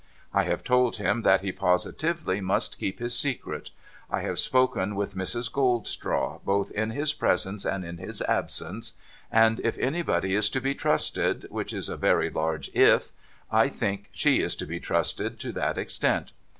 I have told him that he positively must keep his secret. I have spoken with Mrs. Goldstraw, both in his presence and in his absence ; and if anybody is to be trusted (which is a very large IF), I think she is to be trusted to that extent.